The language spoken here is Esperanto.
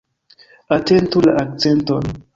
Atentu la akcenton!